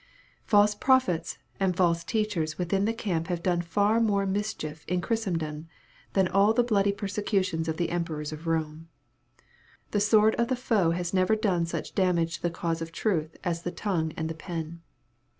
False prophets and false teachers within the camp have done far more mis chief in Christendom than all the bloody persecutions of the emperors of Eome. The sword of the foe has never done such damage to the cause of truth as the tongue and the pen.